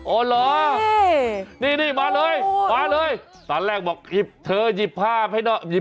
โอ้หรอนี่มาเลยตอนแรกบอกหยิบเธอหยิบผ้าให้หน่อย